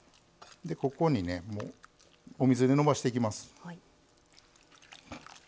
ここにねお水でのばしていきます。